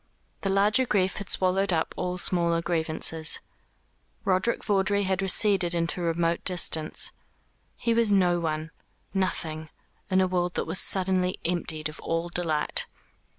The larger grief had swallowed up all smaller grievances. Roderick Vawdrey had receded into remote distance. He was no one, nothing, in a world that was suddenly emptied of all delight.